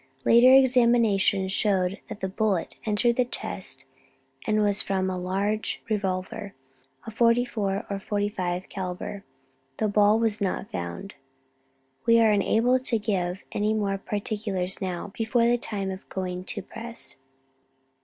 Later examinations showed that the bullet entered the chest and was from a large revolver, a 44 or 45 calibre. The ball was not found. "We are unable to give any more particulars now, before the time of going to press."